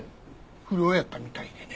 不猟やったみたいでね。